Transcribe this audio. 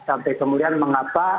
sampai kemudian mengapa